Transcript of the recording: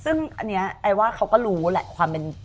ซึ่งไอว่าเขาก็รู้แหละความเป็น